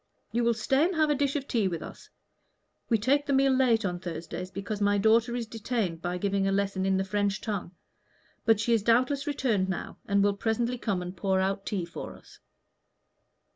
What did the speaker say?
You will stay and have a dish of tea with us: we take the meal late on Thursdays, because my daughter is detained by giving a lesson in the French tongue. But she is doubtless returned now, and will presently come and pour out tea for us."